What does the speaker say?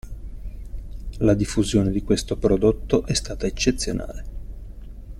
La diffusione di questo prodotto è stata eccezionale.